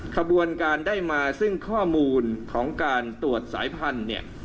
ขบวนการได้มาซึ่งข้อมูลของการตรวจสายพันธุ์เนี่ย